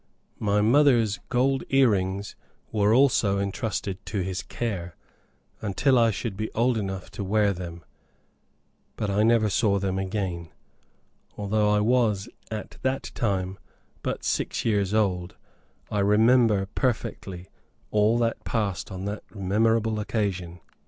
My mother's gold ear rings were also entrusted to his care, until I should be old enough to wear them. But I never saw them again. Though I was at that time but six years old, I remember perfectly, all that passed upon that memorable occasion.